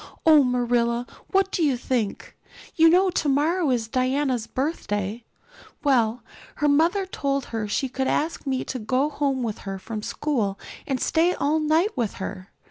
"Oh, Marilla, what do you think? You know tomorrow is Diana's birthday. Well, her mother told her she could ask me to go home with her from school and stay all night with her.